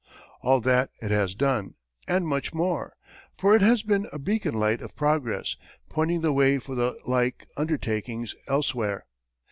All that it has done, and much more; for it has been a beacon light of progress, pointing the way for like undertakings elsewhere.